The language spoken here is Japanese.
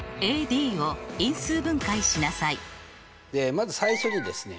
まず最初にですね